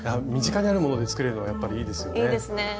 身近にあるもので作れるのがやっぱりいいですよね。